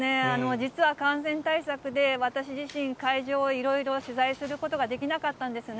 実は感染対策で私自身、会場をいろいろ取材することができなかったんですね。